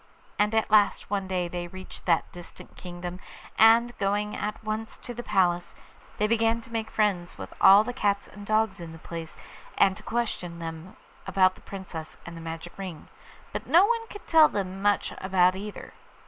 And at last one day they reached that distant kingdom, and, going at once to the palace, they began to make friends with all the dogs and cats in the place, and to question them about the Princess and the magic ring; but no one could tell them much about either.